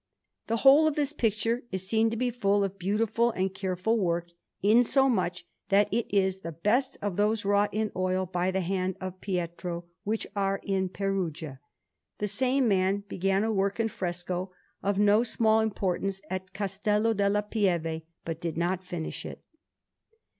The whole of this picture is seen to be full of beautiful and careful work, insomuch that it is the best of those wrought in oil by the hand of Pietro which are in Perugia. The same man began a work in fresco of no small importance at Castello della Pieve, but did not finish it.